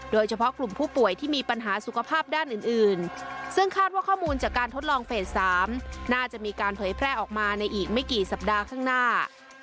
โดยเฉพาะกลุ่มผู้ป่วยที่มีปัญหาสุขภาพด้านอื่นซึ่งคาดว่าข้อมูลจากการทดลองเฟส๓น่าจะมีการเผยแพร่ออกมาในอีกไม่กี่สัปดาห์ข้างหน้า